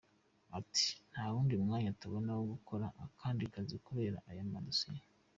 Ati “Nta wundi mwanya tubona wo gukora akandi kazi kubera aya madosiye.